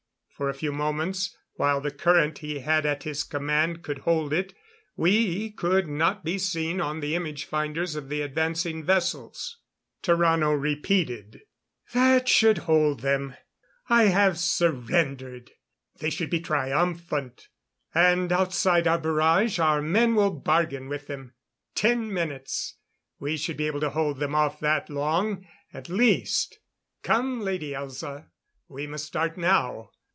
For a few moments while the current he had at his command could hold it we could not be seen on the image finders of the advancing vessels. Tarrano repeated: "That should hold them I have surrendered! They should be triumphant. And outside our barrage, our men will bargain with them. Ten minutes! We should be able to hold them off that long at least. Come, Lady Elza. We must start now."